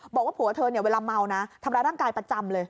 บอกว่าผัวเธอเนี่ยเวลาเมานะทำร้ายร่างกายประจำเลย